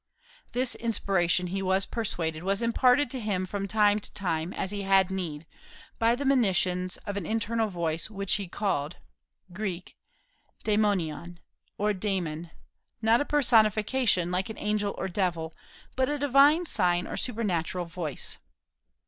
"This inspiration, he was persuaded, was imparted to him from time to time, as he had need, by the monitions of an internal voice which he called [Greek: daimonion], or daemon, not a personification, like an angel or devil, but a divine sign or supernatural voice."